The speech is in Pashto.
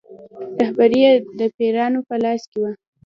رهبري یې د پیرانو په لاس کې وه.